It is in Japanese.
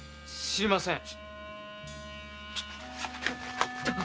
すみません。